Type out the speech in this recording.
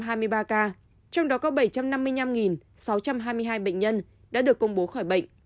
trong đó có bảy trăm năm mươi năm sáu trăm hai mươi hai bệnh nhân đã được công bố khỏi bệnh